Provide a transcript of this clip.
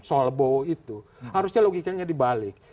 solbowo itu harusnya logikanya dibalik